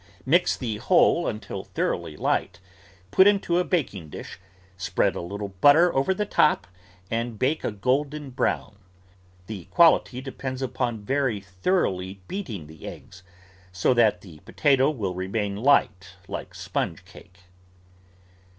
ROOT VEGETABLES Mix the whole until thoroughly light; put into a baking dish, spread a little butter over the top, and bake a golden brown. The quality depends upon very thoroughly beating the eggs, so that the po tato will remain light, like sponge cake.